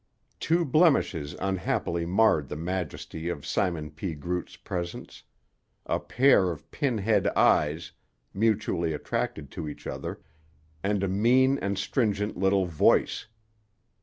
Two blemishes unhappily marred the majesty of Simon P. Groot's presence; a pair of pin head eyes, mutually attracted to each other, and a mean and stringent little voice.